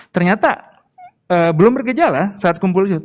ternyata belum bergejala saat kumpul itu